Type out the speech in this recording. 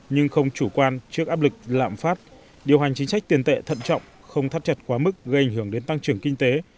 nhưng không chủ quan trước áp lực lạm phát điều hành chính sách tiền tệ thận trọng không thắt chặt quá mức gây ảnh hưởng đến tăng trưởng kinh tế